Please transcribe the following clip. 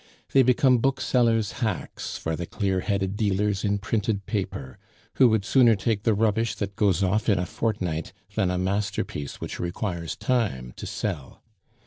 They become booksellers' hacks for the clear headed dealers in printed paper, who would sooner take the rubbish that goes off in a fortnight than a masterpiece which requires time to sell.